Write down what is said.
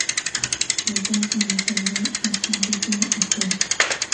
Por tanto, en la actualidad es un título histórico.